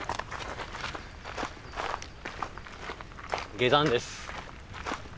下山です。